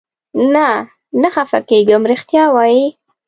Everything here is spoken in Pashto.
نه، نه خفه کېږم، رښتیا وایې؟